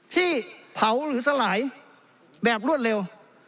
ที่เผาหรือสลายแบบรวดเร็ว